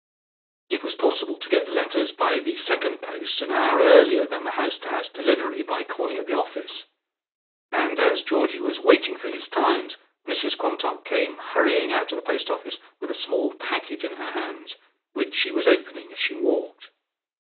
It was possible to get letters by the second post an hour earlier than the house to house delivery by calling at the office, and as Georgie was waiting for his "Times," Mrs Quantock came hurrying out of the post office with a small packet in her hands, which she was opening as she walked.